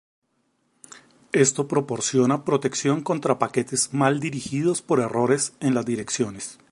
Esto proporciona protección contra paquetes mal dirigidos por errores en las direcciones.